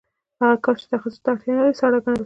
هغه کار چې تخصص ته اړتیا نلري ساده ګڼل کېږي